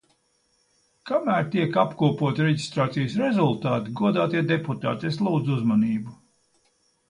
Kamēr tiek apkopoti reģistrācijas rezultāti, godātie deputāti, es lūdzu uzmanību!